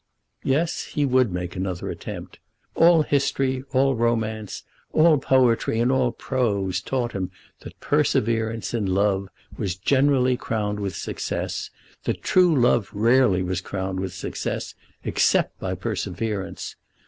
Yes, he would make another attempt. All history, all romance, all poetry and all prose, taught him that perseverance in love was generally crowned with success, that true love rarely was crowned with success except by perseverance.